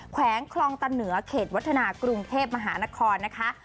แขวงคลองตันเหนือเขตวัฒนากรุงเทพมหานครนะคะ